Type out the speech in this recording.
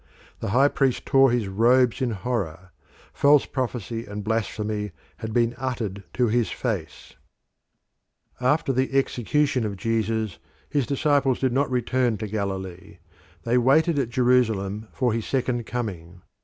The High Priest tore his robes in horror; false prophecy and blasphemy had been uttered to his face. The Christians After the execution of Jesus his disciples did not return to Galilee: they waited at Jerusalem for his second coming.